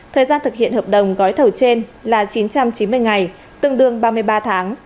thời gian thực hiện hợp đồng gói thầu trên là chín trăm chín mươi ngày tương đương ba mươi ba tháng